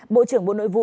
bộ trưởng bộ nội vụ